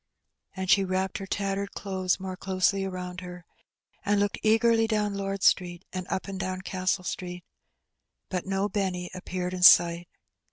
And she wrapped her tattered clothes more closely around her, and looked eagerly down Lord Street and up and down Castle Street. But no Benny appeared in sight.